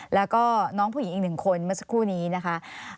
แล้วก็น้องผู้หญิงอีกหนึ่งคนเมื่อสักครู่นี้นะคะ